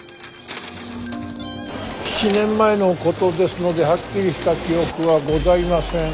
７年前のことですのではっきりした記憶はございません。